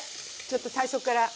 ちょっと最初から。